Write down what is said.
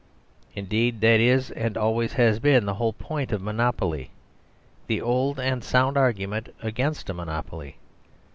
Indeed, that is, and always has been, the whole point of a monopoly; the old and sound argument against a monopoly.